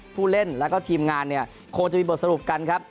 ผู้เล่นแล้วก็ทีมงานเนี่ยคงจะมีบทสรุปกันครับ